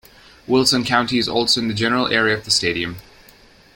Wilson County is also in the general area of the stadium.